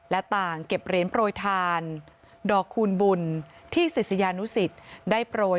และต่างเก็บเหรียญโปรยทานดอกคูณบุญที่ศิษยานุสิตได้โปรย